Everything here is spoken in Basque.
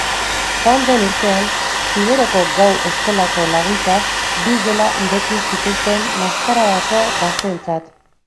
Joan den urtean, Xiberoko Gau Eskolako laguntzaz, bi gela ireki zituzten maskaradako gazteentzat.